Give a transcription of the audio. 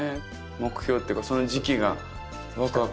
目標というかその時期がワクワクする。